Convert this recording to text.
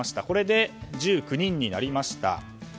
これで１９人になりました。